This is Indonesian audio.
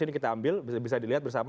ini kita ambil bisa dilihat bersama